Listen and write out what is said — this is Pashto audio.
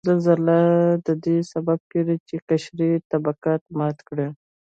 زلزلې ددې سبب کیږي چې قشري طبقات مات کړي